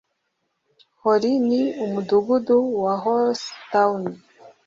Hor ni umudugudu na Hors town